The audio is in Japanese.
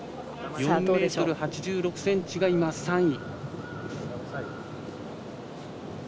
４ｍ８６ｃｍが今、３位。